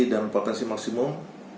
dan potensi maksimum